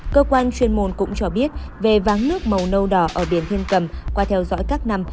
cơ quan chuyên môn cũng cho biết về váng nước màu nâu đỏ ở đền thiên cầm qua theo dõi các năm